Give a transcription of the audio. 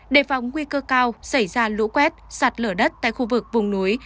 đề phòng nguy cơ cao xảy ra lũ quét sạt lở đất tại khu vực vùng núi